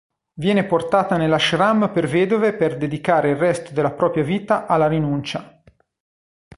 Viene portata nell'ashram per vedove per dedicare il resto della propria vita alla rinuncia.